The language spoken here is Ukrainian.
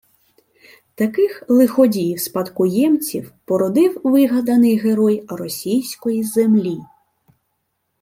Таких лиходіїв-спадкоємців породив вигаданий герой «російської землі»